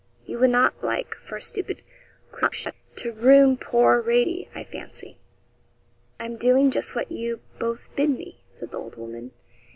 You would not like, for a stupid crotchet, to ruin poor Radie, I fancy.' 'I'm doing just what you both bid me,' said the old woman.